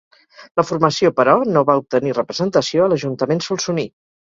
La formació, però, no va obtenir representació a l'Ajuntament solsoní.